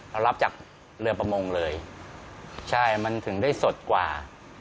เรารับจากเรือประมงเลยใช่มันถึงได้สดกว่า